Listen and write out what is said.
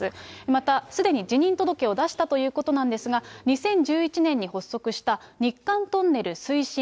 また、すでに辞任届を出したということなんですが、２０１１年に発足した日韓トンネル推進